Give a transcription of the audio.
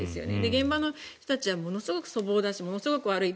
現場の人たちはものすごく粗暴だしものすごく悪い。